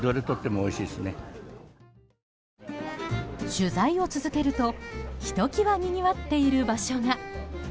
取材を続けると、ひときわにぎわっている場所が。